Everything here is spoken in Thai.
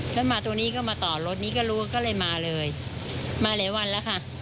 แล้วมาตรงนี้ก็มาต่อรถนี้ก็รู้ก็เลยมาเลยมาหลายวันแล้วค่ะ